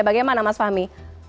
bagaimana mas fahmi